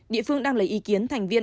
địa phương đang lấy ý kiến thành viên